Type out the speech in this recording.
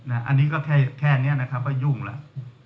อันนี้ก็แค่นี้นะครับก็ยุ่งแล้ว